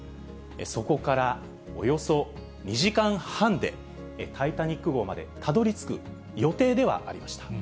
そこからおよそ２時間半でタイタニック号までたどりつく予定ではありました。